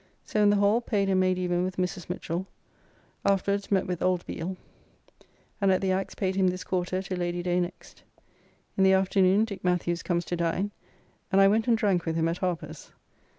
So in the Hall paid and made even with Mrs. Michell; afterwards met with old Beale, and at the Axe paid him this quarter to Ladyday next. In the afternoon Dick Mathews comes to dine, and I went and drank with him at Harper's.